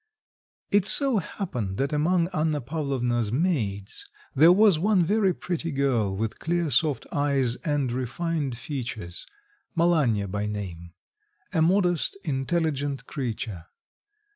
It so happened that among Anna Pavlovna's maids there was one very pretty girl with clear soft eyes and refined features, Malanya by name, a modest intelligent creature.